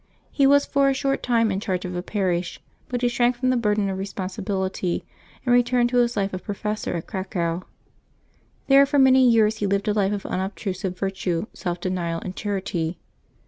He was for a short time in charge of a parish; but he shrank from the burden of responsibility, and returned to his life of professor at Cracow. There for many years he lived a life of unobtrusive virtue, self denial, and char ity.